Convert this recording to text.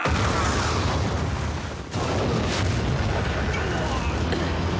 うわあっ！